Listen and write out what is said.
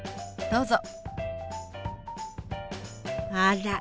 どうぞ。